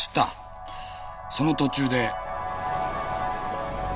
その途中で。